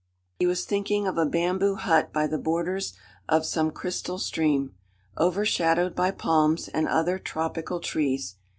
He was thinking of a bamboo hut by the borders of some crystal stream, overshadowed by palms and other tropical trees.